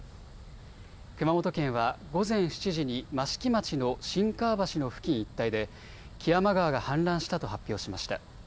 熊本県は午前７時に益城町の新川橋の付近一帯で木山川が氾濫したと発表しました。